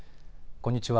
こんにちは。